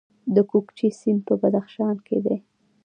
د کوکچې سیند په بدخشان کې دی